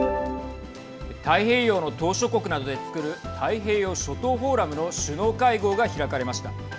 太平洋の島しょ国などでつくる太平洋諸島フォーラムの首脳会合が開かれました。